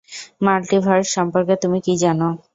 Multiverse সম্পর্কে তুমি কী জানো?